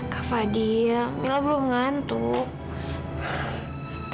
kak fadil bila belum ngantuk